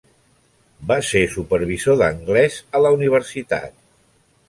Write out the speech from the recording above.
Va ser supervisor d'anglès a la Universitat.